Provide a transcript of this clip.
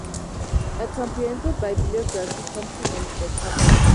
A comprehensive bibliography complements the corpus.